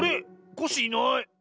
コッシーいない。